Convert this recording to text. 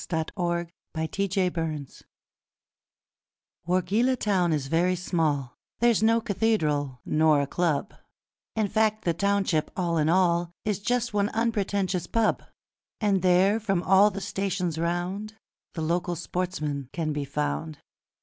The Wargeilah Handicap Wargeilah town is very small, There's no cathedral nor a club, In fact the township, all in all, Is just one unpretentious pub; And there, from all the stations round, The local sportsmen can be found.